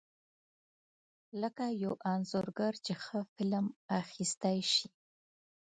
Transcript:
لکه یو انځورګر چې ښه فلم اخیستی شي.